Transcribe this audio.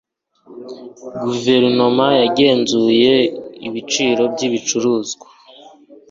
guverinoma yagenzuye ibiciro byibicuruzwa